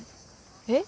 えっ？